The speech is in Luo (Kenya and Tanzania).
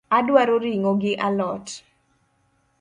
Adwaro ring’o gi a lot